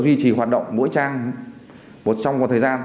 duy trì hoạt động mỗi trang một trong một thời gian